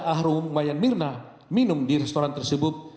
ahru umayyan mirna minum di restoran tersebut